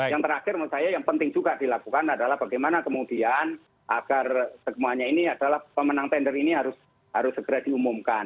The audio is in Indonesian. yang terakhir menurut saya yang penting juga dilakukan adalah bagaimana kemudian agar semuanya ini adalah pemenang tender ini harus segera diumumkan